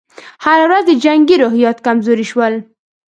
هره ورځ یې جنګي روحیات کمزوري شول.